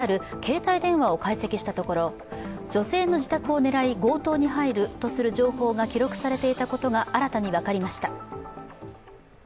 千葉県警が逮捕した強盗傷害事件の押収品である携帯電話を解析したところ、女性の自宅を狙い強盗に入るとする情報が記録されていたことが新たに分かりました。